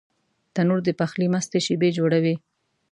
تنور د پخلي مستې شېبې جوړوي